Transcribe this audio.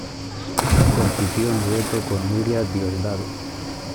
Compitió en dueto con Nuria Diosdado.